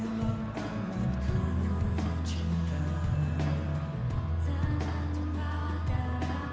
kepala cu empat a angkatan bersenjata singapura